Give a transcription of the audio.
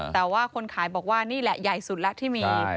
แต่ว่าคนขายบอกว่านี่แหละใหญ่สุดแล้วที่มี